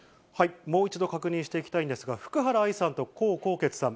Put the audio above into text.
もう一度確認していきたいんですが、福原愛さんと江宏傑さん。